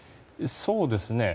そうですね